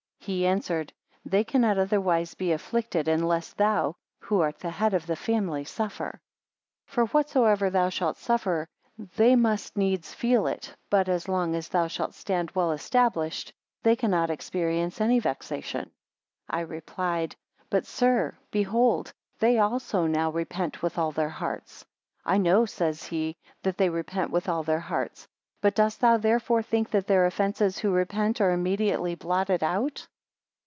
He answered: They cannot otherwise be afflicted, unless thou, who art the head of the family, suffer. 8 For whatsoever thou shalt suffer, they must needs feel it but as long as thou shalt stand well established, they cannot experience any vexation. 9 I replied; But, sir, behold they also now repent with all their hearts. I know, says he, that they repent with all their hearts; but dost thou therefore think that their offences who repent, are immediately blotted out.